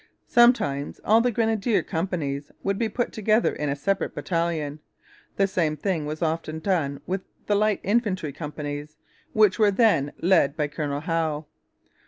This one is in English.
Sometimes all the grenadier companies would be put together in a separate battalion. The same thing was often done with the light infantry companies, which were then led by Colonel Howe.